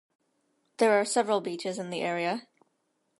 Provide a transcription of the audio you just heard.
There are several beaches in the area.